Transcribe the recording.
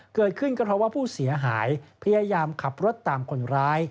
เกิดขึ้นก็เพราะว่าผู้เสียหายพยายามขับรถตามคนร้าย